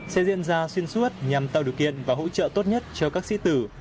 sẽ diễn ra xuyên suốt nhằm tạo điều kiện và hỗ trợ tốt nhất cho các sĩ tử